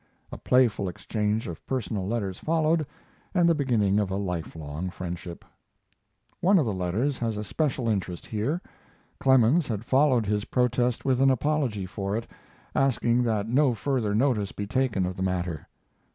A playful exchange of personal letters followed, and the beginning of a lifelong friendship. One of the letters has a special interest here. Clemens had followed his protest with an apology for it, asking that no further notice be taken of the matter.